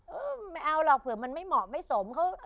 ไม่เอาหรอกเผื่อมันไม่เหมาะไม่สม